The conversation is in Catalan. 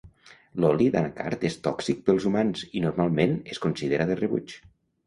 L'oli d'anacard és tòxic pels humans i normalment es considera de rebuig.